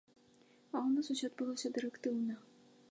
А ў нас усё адбылося дырэктыўна.